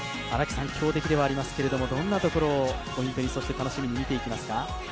強敵ではありますけれどもどんなところをポイントにそして楽しみに見ていきますか？